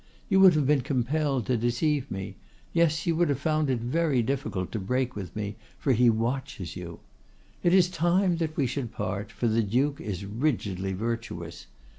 You would have been compelled to deceive me; yes, you would have found it very difficult to break with me, for he watches you. It is time that we should part, for the Duke is rigidly virtuous.